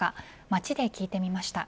街で聞いてみました。